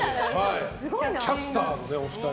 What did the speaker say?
キャスターのお二人。